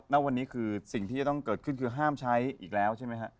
ณวันนี้คือสิ่งที่จะต้องเกิดขึ้นคือห้ามใช้อีกแล้วใช่ไหมฮะ